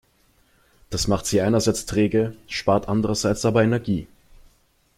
Das macht sie einerseits träge, spart andererseits aber Energie.